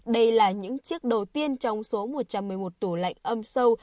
đây là những chiếc đầu tiên trong số một trăm một mươi một tủ lạnh âm sâu